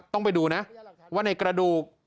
ต้องไปดูนะว่าในกระดูก